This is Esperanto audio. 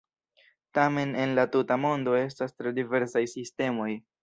Tamen en la tuta mondo estas tre diversaj sistemoj.